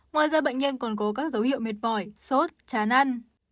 ngoài ra bệnh nhân còn có các dấu hiệu mệt mỏi sốt chán ăn